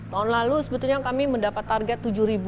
tahun lalu sebetulnya kami mendapat target tujuh